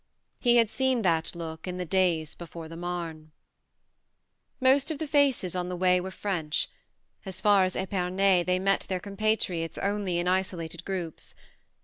He had seen that look in the days before the Marne. ... Most of the faces on the way were French: as far as Epernay they met their compatriots only in isolated groups.